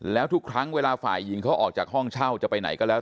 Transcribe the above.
แล้วทุกครั้งเวลาฝ่ายหญิงเขาออกจากห้องเช่าจะไปไหนก็แล้ว